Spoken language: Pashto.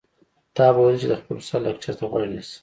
تا به ويل چې د خپل استاد لکچر ته غوږ نیسي.